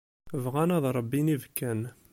Bɣan ad ṛebbin ibekkan.